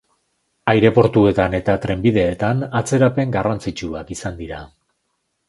Aireportuetan eta trenbideetan atzerapen garrantzitsuak izan dira.